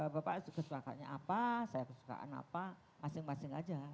bapak kesukaannya apa kesukaan apa masing masing aja